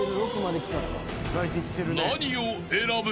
［何を選ぶ？］